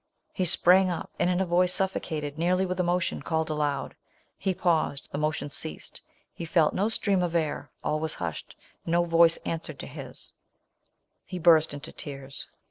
He sprang up, :and in a voice suffocated nearly with emotion, called aloud. He paused — the motion ceased— lie felt no stream of air — all was hu«hed — no voice ;ui swerad to hi*— be burst into VO!